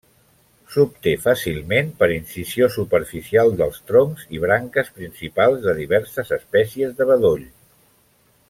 S'obté fàcilment per incisió superficial dels troncs i branques principals de diverses espècies de bedoll.